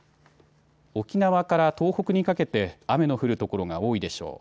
沖縄から東北にかけて雨の降る所が多いでしょう。